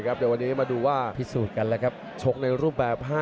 เดี๋ยววันนี้มาดูว่าชกในรูปแบบ๕